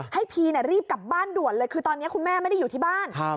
พีรีบกลับบ้านด่วนเลยคือตอนนี้คุณแม่ไม่ได้อยู่ที่บ้าน